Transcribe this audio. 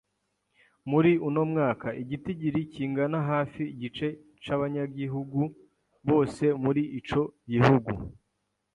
muri uno mwaka, igitigiri kingana hafi igice c'abanyagihugu bose muri ico gihugu.